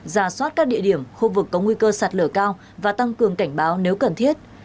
giả soát các địa điểm khu vực có nguy cơ sạt lửa cao và tăng cường cảnh báo nếu cần thiết